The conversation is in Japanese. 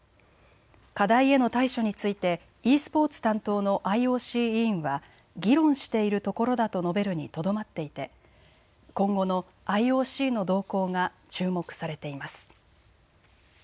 課題への対処についてｅスポーツ担当のＩＯＣ委員は議論しているところだと述べるにとどまっていて今後のＩＯＣの動向が注目されています。